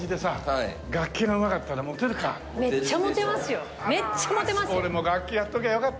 めっちゃモテますよ。